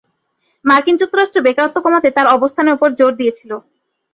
মার্কিন যুক্তরাষ্ট্র বেকারত্ব কমাতে তার অবস্থানের উপর জোর দিয়েছিল।